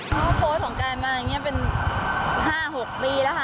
เขาโพสต์ของการมาอย่างนี้เป็น๕๖ปีแล้วค่ะ